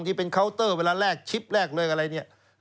ที่เป็นเคาน์เตอร์เวลาแรกชิปแรกเลยอะไรเนี่ย